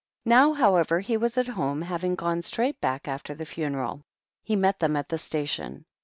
Now, however, he was at home, having gone straight back after the funeral. He met them at the station.